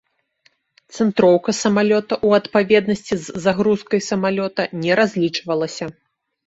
Цэнтроўка самалёта ў адпаведнасці з загрузкай самалёта не разлічвалася.